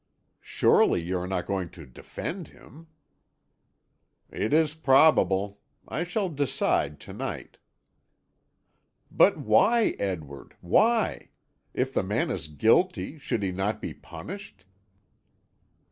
"Surely you are not going to defend him?" "It is probable. I shall decide to night." "But why, Edward, why? If the man is guilty, should he not be punished?"